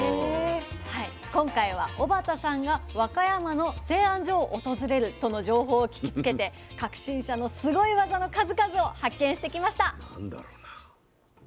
今回は小幡さんが和歌山の製あん所を訪れるとの情報を聞きつけて革新者のスゴイ技の数々を発見してきました。